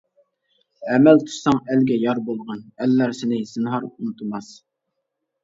ئەمەل تۇتساڭ ئەلگە يار بولغىن، ئەللەر سېنى زىنھار ئۇنتۇماس.